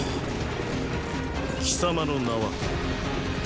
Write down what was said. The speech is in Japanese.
貴様の名は。